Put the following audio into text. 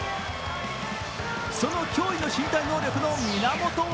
その驚異の身体能力の源は？